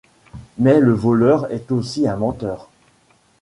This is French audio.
Mais le voleur est aussi un menteur.